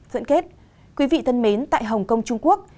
dẫn kết quý vị thân mến tại hồng kông trung quốc